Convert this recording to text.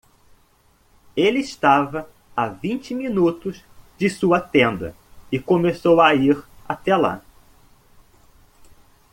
Ele estava a vinte minutos de sua tenda? e começou a ir até lá.